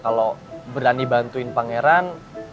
kalo berani bantuin pangeran